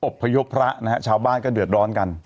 พยพพระนะฮะชาวบ้านก็เดือดร้อนกัน